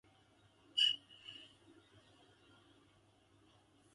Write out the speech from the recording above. Warehouses of many prominent industries in Kannur is situated at Valapattanam.